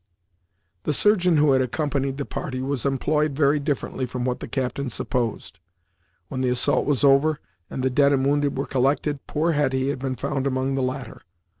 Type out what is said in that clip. The surgeon who had accompanied the party was employed very differently from what the captain supposed. When the assault was over, and the dead and wounded were collected, poor Hetty had been found among the latter.